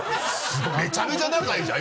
めちゃめちゃ仲いいじゃん！